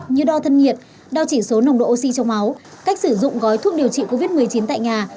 như đo thân nhiệt đo chỉ số nồng độ oxy trong máu cách sử dụng gói thuốc điều trị covid một mươi chín tại nhà